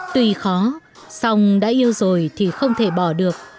tùy khó sòng đã yêu rồi thì không thể bỏ được